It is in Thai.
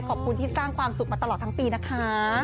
ขอบคุณที่สร้างความสุขมาตลอดทั้งปีนะคะ